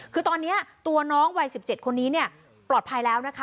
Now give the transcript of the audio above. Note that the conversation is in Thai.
คือตอนนี้ตัวน้องวัย๑๗คนนี้ปลอดภัยแล้วนะคะ